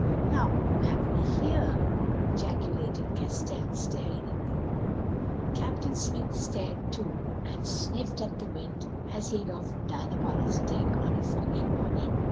"Now, whom have we here?" ejaculated Castell, staring at them. Captain Smith stared too, and sniffed at the wind as he had often done upon his deck on a foggy morning.